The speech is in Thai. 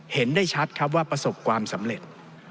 เห็นได้ชัดครับว่าประสบความสำเร็จ